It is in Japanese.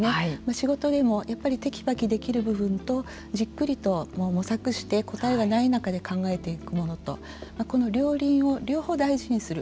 仕事でもテキパキできる部分とじっくりと模索して答えがない中で考えていくものとこの両輪を両方、大事にする。